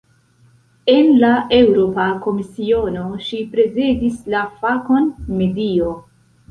En la Eŭropa Komisiono, ŝi prezidis la fakon "medio".